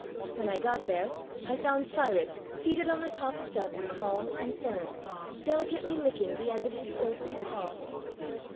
When I got there I found Cyrus seated on the top step calm and firm, delicately licking the end of his silvery paw.